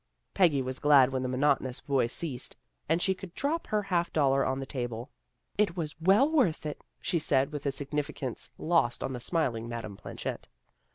Peggy was glad when the monotonous voice ceased, and she could drop her half dollar on the table. AMY IS DISILLUSIONED 313 " It was well worth it," she said with a signifi cance lost on the smiling Madame Planchet.